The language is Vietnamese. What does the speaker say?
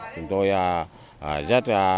chúng tôi rất